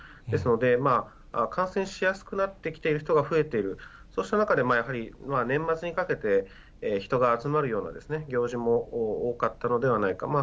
ですので、感染しやすくなってきている人が増えている、そうした中で、やはり年末にかけて、人が集まるような行事も多かったのではないか。